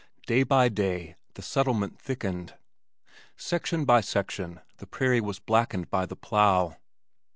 Day by day the settlement thickened. Section by section the prairie was blackened by the plow.